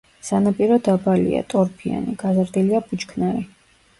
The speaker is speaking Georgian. სანაპირო დაბალია, ტორფიანი, გაზრდილია ბუჩქნარი.